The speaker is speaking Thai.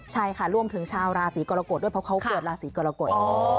ใช่ค่ะรวมถึงชาวราศีกรกฎด้วยเพราะเขาเกิดราศีกรกฎ